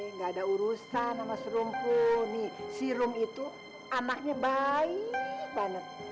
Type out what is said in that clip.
eh gak ada urusan sama serum pun nih serum itu amatnya baik banget